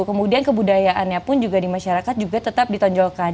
kemudian kebudayaannya pun juga di masyarakat juga tetap ditonjolkan